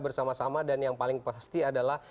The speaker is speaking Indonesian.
bersama sama dan yang paling pasti adalah